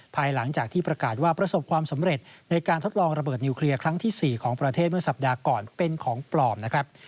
ภายหลังจากที่ประกาศว่าประสบความสำเร็จในการทดลองระเบิดนิวเคลียร์ครั้งที่๔ของประเทศเมื่อสัปดาห์ก่อนเป็นของปลอมนะครับ